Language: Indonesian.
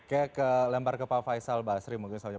kayak lembar ke pak faisal basri mungkin soalnya